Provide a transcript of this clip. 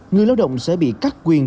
người lao động sẽ bị cắt quyền